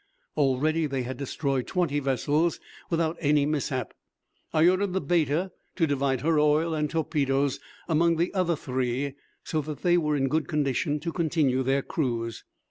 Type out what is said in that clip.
Already they had destroyed twenty vessels without any mishap. I ordered the Beta to divide her oil and torpedoes among the other three, so that they were in good condition to continue their cruise.